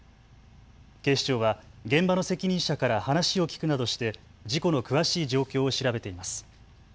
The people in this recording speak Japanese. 警視庁は現場の責任者から話を聞くなどして事故の詳しい状況を調べています。